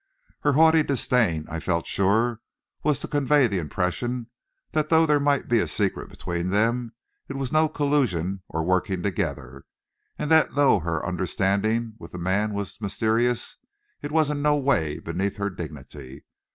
Her haughty disdain, I felt sure, was to convey the impression that though there might be a secret between them, it was no collusion or working together, and that though her understanding with the man was mysterious, it was in no way beneath her dignity.